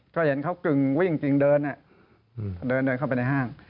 ก็เห็นเขากึ่งวิ่งจริงเดินเดินเข้าไปในห้าง